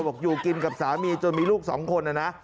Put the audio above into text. บอกอยู่กินกับสามีจนมีลูกสองคนนะนะ